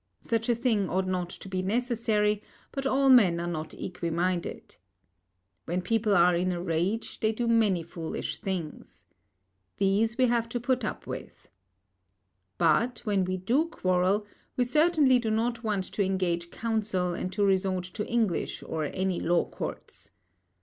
Such a thing ought not to be necessary, but all men are not equiminded. When people are in a rage, they do many foolish things. These we have to put up with. But, when we do quarrel, we certainly do not want to engage counsel and to resort to English or any law courts.